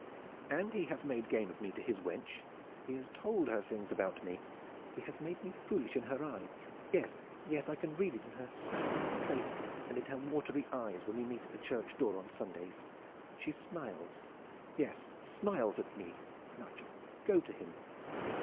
And he has made game of me to his wench. He has told her things about me. He has made me foolish in her eyes. Yes, yes, I can read it in her saffron face and in her watery eyes when we meet at the church door on Sundays. She smiles yes, smiles at me! Nigel, go to him!